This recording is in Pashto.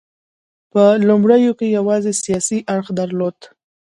په لومړیو کې یوازې سیاسي اړخ درلود